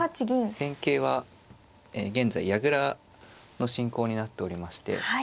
戦型は現在矢倉の進行になっておりまして。